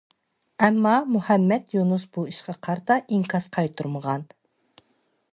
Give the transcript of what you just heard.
ئەمما مۇھەممەد يۇنۇس بۇ ئىشقا قارىتا ئىنكاس قايتۇرمىغان.